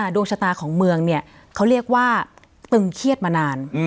ดวงชะตาของเมืองเนี่ยเขาเรียกว่าตึงเครียดมานาน